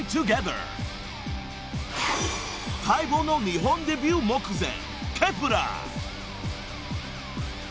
［待望の日本デビュー目前］